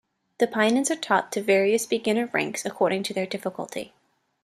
The Pinans are taught to various beginner ranks according to their difficulty.